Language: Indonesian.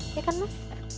ya kan mas